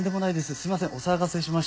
すいませんお騒がせしました。